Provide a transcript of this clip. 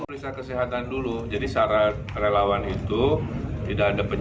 periksa kesehatan dulu jadi syarat relawan itu tidak ada